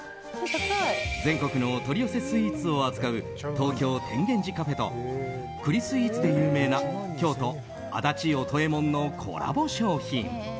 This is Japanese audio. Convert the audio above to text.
全国のお取り寄せスイーツを扱う東京・天現寺カフェと栗スイーツで有名な京都・足立音衛門のコラボ商品。